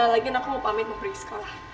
lagian aku mau pamit mau pergi sekolah